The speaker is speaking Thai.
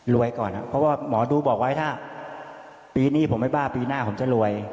ก่อนเพราะว่าหมอดูบอกไว้ถ้าปีนี้ผมไม่บ้าปีหน้าผมจะรวย